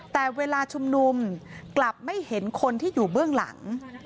แต่เวลาชุมนุมกลับไม่เห็นคนที่อยู่เบื้องหลัง